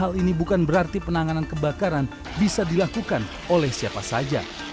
hal ini bukan berarti penanganan kebakaran bisa dilakukan oleh siapa saja